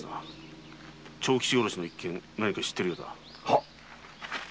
長吉殺しの件で何かを知っているようだ。